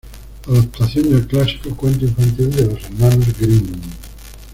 Adaptación del clásico cuento infantil de los hermanos Grimm.